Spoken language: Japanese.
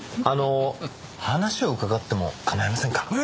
あの話を伺っても構いませんか？